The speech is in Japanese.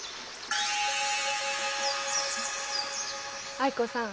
藍子さん